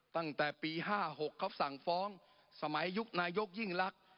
ตั้งแต่ปี๕๖เขาสั่งฟ้องสมัยยุคนายกยิ่งรัก